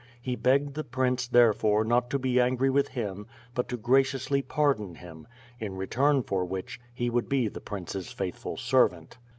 He begged the prince, therefore, not to be angry with him but to graciously pardon him; in return for which, he would be the prince's faithful servant.